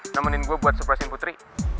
nemenin gue buat surplusin putri